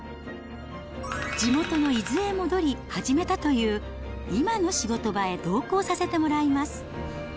地元の伊豆へ戻り、始めたという今の仕事場へ同行させてもらいます。